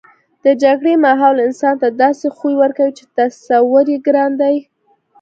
د جګړې ماحول انسان ته داسې خوی ورکوي چې تصور یې ګران دی